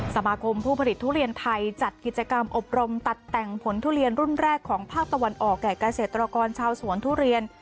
สมาคมผู้ผลิตทุเรียนไทยจัดกิจกรรมอบรมตัดแต่งผลทุเรียนรุ่นแรกของภาคตะวันออกแก่เกษตรกรชาวสวนทุเรียน